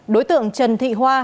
đối tượng trần thị hoa